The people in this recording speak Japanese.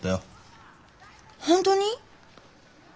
本当に？